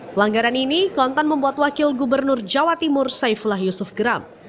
pelanggaran ini kontan membuat wakil gubernur jawa timur saifullah yusuf geram